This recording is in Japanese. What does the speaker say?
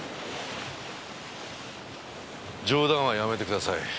冗談はやめてください。